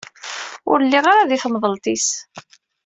Ur lliɣ ara di temḍelt-is.